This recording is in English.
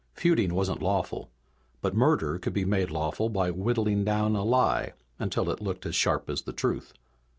Feuding wasn't lawful, but murder could be made lawful by whittling down a lie until it looked as sharp as the truth.